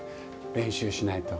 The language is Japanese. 練習しないと。